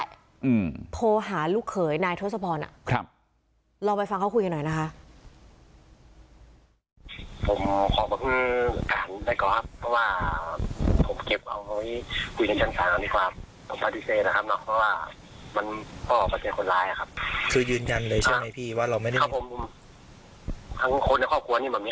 ครับผมทั้งคนในครอบครัวนี้มันมีใครได้ทำสักคนครับผมขอยืนยันแบบนี้นะครับ